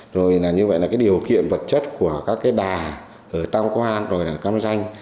rồi là như vậy là cái điều kiện vật chất của các cái đà ở tăng quang rồi là căm danh